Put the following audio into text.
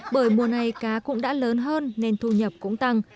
bởi mùa này cá cũng đã lớn hơn nên thu nhập cũng tăng